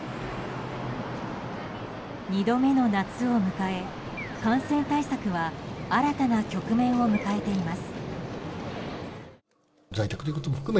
２度目の夏を迎え感染対策は新たな局面を迎えています。